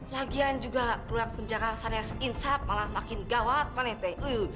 lagian juga keluar penjara saatnya seinsap malah makin gawat manete